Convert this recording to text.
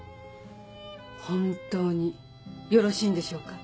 本当によろしいんでしょうか？